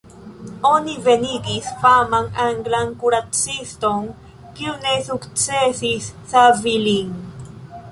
Oni venigis faman anglan kuraciston, kiu ne sukcesis savi lin.